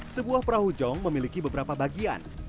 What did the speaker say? sebuah perahu jong memiliki beberapa bagian